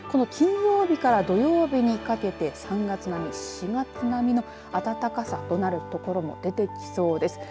この金曜日から土曜日にかけて３月並み、４月並みの暖かさとなる所も出てきそうです。